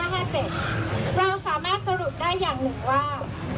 เราสามารถสรุปได้อย่างหนึ่งว่า